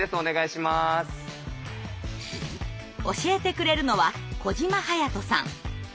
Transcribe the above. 教えてくれるのは小島勇人さん。